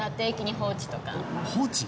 放置？